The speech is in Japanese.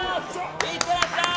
いってらっしゃい！